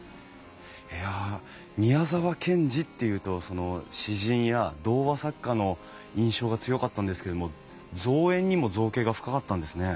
いや宮沢賢治っていうと詩人や童話作家の印象が強かったんですけれども造園にも造詣が深かったんですね。